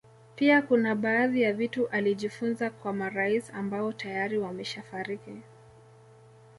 Pia kuna baadhi ya vitu alijifunza kwa marais ambao tayari wameshafariki